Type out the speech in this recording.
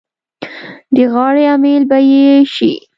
د غاړې امېل به یې شي.